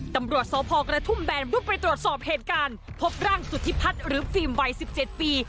ตำรวจสพกระทุ่มแบนรุดไปตรวจสอบเหตุการณ์พบร่างสุธิพัฒน์หรือฟิล์มวัย๑๗ปี